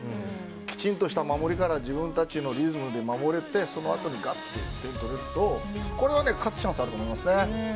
きちんとした守りから自分たちのリズムで守ってその後にがっと１点を取るとこれは勝てると思いますね。